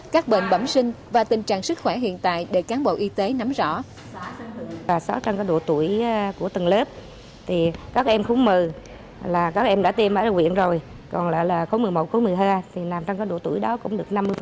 các em trong độ tuổi tiêm chủng phải khai báo rõ ràng